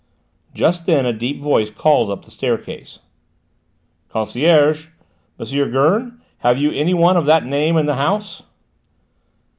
Just then a deep voice called up the staircase: "Concierge: M. Gurn: have you any one of that name in the house?"